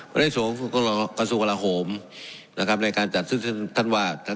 เมื่อได้ส่วนกราโหมนะครับในการจัดซื้อท่านวาด